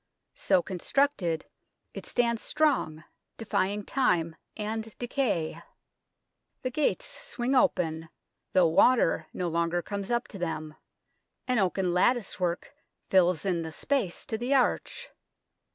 So constructed, it stands strong, defying time and decay. The 54 THE TOWER OF LONDON gates swing open, though water no longer comes up to them ; an oaken lattice work fills in the space to the arch.